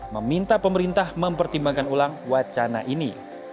meminta pemerintah mempertimbangkan ulang wacana ini